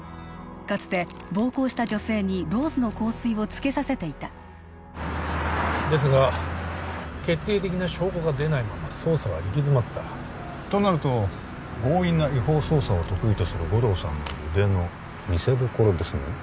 かつて暴行した女性にローズの香水をつけさせていたですが決定的な証拠が出ないまま捜査は行き詰まったとなると強引な違法捜査を得意とする護道さんの腕の見せどころですね